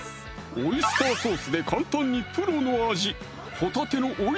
オイスターソースで簡単にプロの味